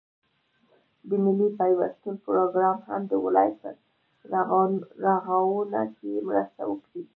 د ملي پيوستون پروگرام هم د ولايت په رغاونه كې مرسته وكړه،